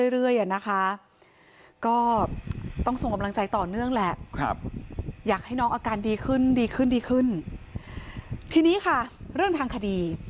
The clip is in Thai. ก็ต้องส่งกำลังใจต่อเนื่องแหละอยากให้น้องอาการดีขึ้นดีขึ้นดีขึ้นทีนี้ค่ะเรื่องทางคดี